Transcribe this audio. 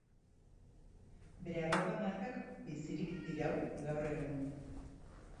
Bere arropa-markak bizirik dirau gaur egun.